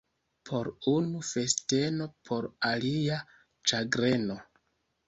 Por unu — festeno, por alia — ĉagreno.